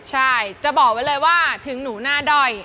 ใช่จะบอกไว้เลยว่าถึงหนูหน้าด้อย